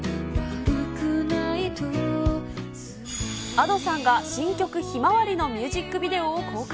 Ａｄｏさんが新曲、向日葵のミュージックビデオを公開。